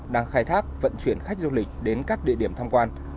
đang khai thác vận chuyển khách du lịch đến các địa điểm tham quan